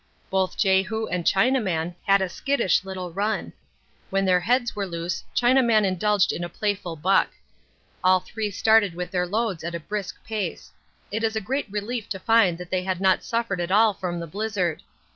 Both Jehu and Chinaman had a skittish little run. When their heads were loose Chinaman indulged in a playful buck. All three started with their loads at a brisk pace. It was a great relief to find that they had not suffered at all from the blizzard.